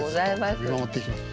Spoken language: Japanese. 見守っていきます。